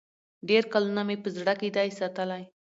ډېر کلونه مي په زړه کي دی ساتلی